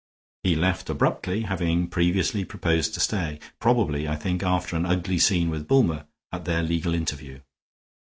He left abruptly, having previously proposed to stay; probably, I think, after an ugly scene with Bulmer, at their legal interview.